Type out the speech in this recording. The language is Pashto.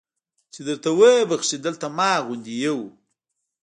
چې درته ویې بخښي دلته ما غوندې یو.